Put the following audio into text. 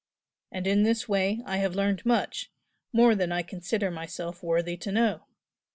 And in this way I have learned much, more than I consider myself worthy to know.